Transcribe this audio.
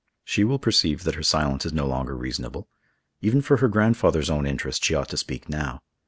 She will perceive that her silence is no longer reasonable. Even for her grandfather's own interest, she ought to speak now.